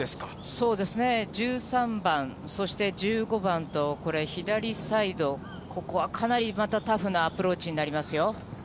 そうですね、１３番、そして１５番と、これ、左サイド、ここはかなりまたタフなアプローチになりますよ。